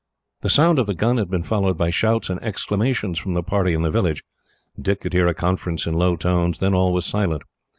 The sound of the gun had been followed by shouts and exclamations from the party in the village. Dick could hear a conference in low tones; then all was silent.